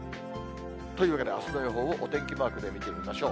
というわけで、あすの予報をお天気マークで見てみましょう。